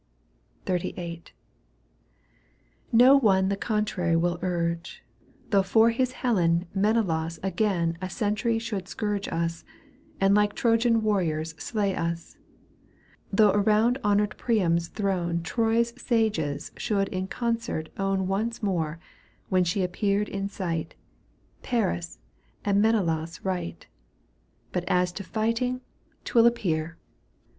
XXXVIII. Г. : No one the contrary will urge, Though for his Helen Menelaus Again a century should scourge Us, and like Trojan warriors slay us ; Though around honoured Priam's throne Troy's sages should in concert own Once more, when she appeared in sight, Paris and Menelaus right. But as to fighting — 'twill appear